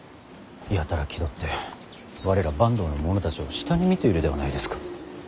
やたら気取って我ら坂東の者たちを下に見ているではないですか。